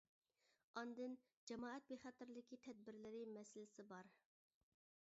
ئاندىن، جامائەت بىخەتەرلىكى تەدبىرلىرى مەسىلىسى بار.